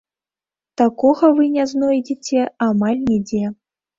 Такога вы не знойдзеце амаль нідзе.